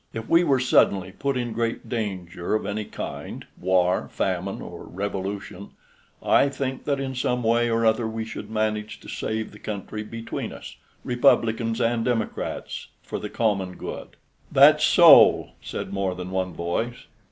If we were suddenly put in great danger of any kind, war, famine, or revolution, I think that in some way or other we should manage to save the country between us, Republicans and Democrats, for the common good." "That's so!" said more than one voice.